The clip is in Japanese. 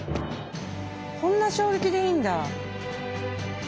こんな衝撃でいいんだ。